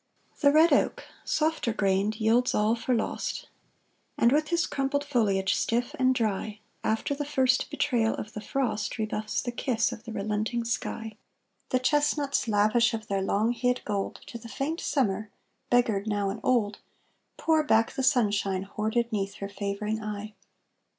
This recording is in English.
The red oak, softer grained, yields all for lost, And, with his crumpled foliage stiff and dry, After the first betrayal of the frost, Rebuffs the kiss of the relenting sky; The chestnuts, lavish of their long hid gold, To the faint Summer, beggared now and old, Pour back the sunshine hoarded 'neath her favoring eye.